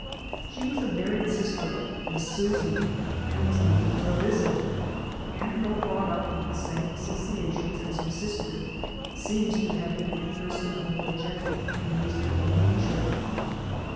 She was a married sister of " Miss Susan," and was making her a visit, and though brought up with the same 12 SOME SCENES IN THE associations as her sister, seems to have been a per son of more gentle and reasonable nature.